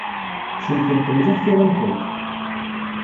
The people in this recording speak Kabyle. Cemtent mliḥ tira-nkent.